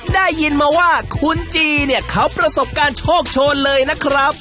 ได้ยินมาว่าคุณจีเนี่ยเขาประสบการณ์โชคโชนเลยนะครับ